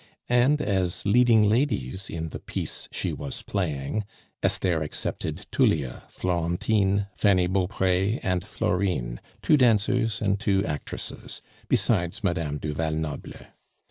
And, as leading ladies in the piece she was playing, Esther accepted Tullia, Florentine, Fanny Beaupre, and Florine two dancers and two actresses besides Madame du Val Noble.